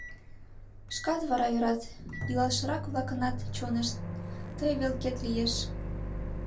Шкат вара ӧрат: илалшырак-влакынат чонышт тый велкет лиеш.